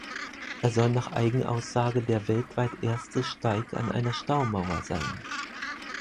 Er soll nach Eigenaussage der weltweit erste Steig an einer Staumauer sein.